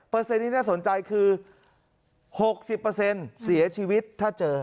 เปอร์เซ็นต์นี้น่าสนใจคือหกสิบเปอร์เซ็นต์เสียชีวิตถ้าเจอ